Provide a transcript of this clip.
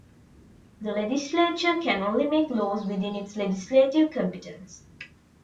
The Legislature can only make laws within its legislative competence.